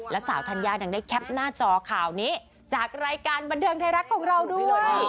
แล้วสาวธัญญายังได้แคปหน้าจอข่าวนี้จากรายการบันเทิงไทยรัฐของเราด้วย